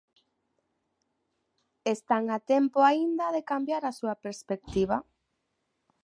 Están a tempo aínda de cambiar a súa perspectiva.